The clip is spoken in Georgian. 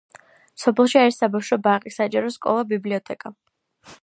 სოფელში არის საბავშვო ბაღი, საჯარო სკოლა, ბიბლიოთეკა.